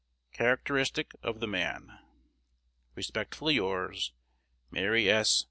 Characteristic of the man. Respectfully yours, Mary S.